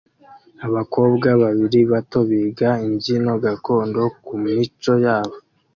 abakobwa babiri bato biga imbyino gakondo kumico yabo